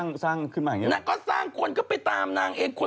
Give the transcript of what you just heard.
นางก็สร้างคนก็ไปตามนางเอง